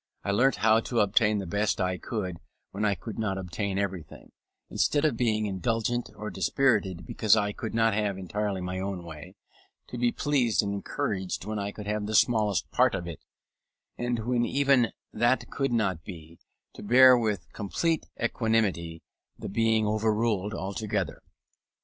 I learnt how to obtain the best I could, when I could not obtain everything; instead of being indignant or dispirited because I could not have entirely my own way, to be pleased and encouraged when I could have the smallest part of it; and when even that could not be, to bear with complete equanimity the being overruled altogether.